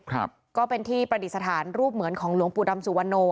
ครับก็เป็นที่ประดิษฐานรูปเหมือนของหลวงปู่ดำสุวรรณโน